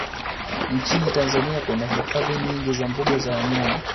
Nchini Tanzania kuna hifadhi nyingi za mbuga za wanyama